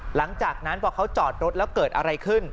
หลังจากนั้นพอเขาจอดรถแล้วเกิดอะไรขึ้น